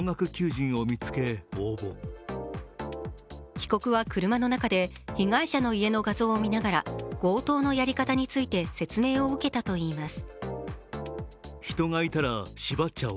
被告は車の中で被害者の家の画像を見ながら強盗のやり方について説明を受けたといいます。